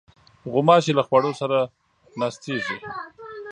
غوماشې له خوړو سره ناستېږي.